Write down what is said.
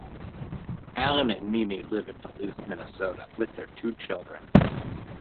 Alan and Mimi live in Duluth, Minnesota, with their two children.